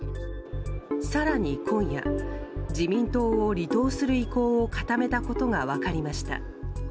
更に今夜自民党を離党する意向を固めたことが分かりました。